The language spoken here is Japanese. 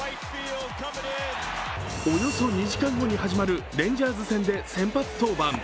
およそ２時間後に始まるレンジャーズ戦で先発登板。